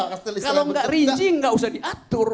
kalau gak rinci gak usah diatur